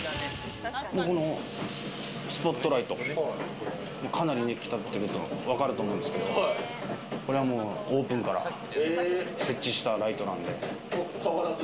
ここのスポットライト、かなり年季入っているのわかると思うんですけど、これはオープンから設置したライトなんで。